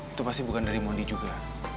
itu pasti bukan dari mondi juga